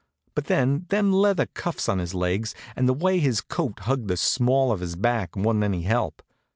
But then, them leather cuffs on his legs, and the way his coat hugged the small of his back, wa'n't any help.